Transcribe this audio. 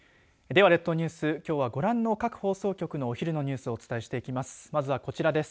では、列島ニュースきょうは、ご覧の各放送局のお昼のニュースをお伝えしていきます。